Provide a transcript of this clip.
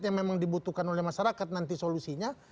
yang memang dibutuhkan oleh masyarakat nanti solusinya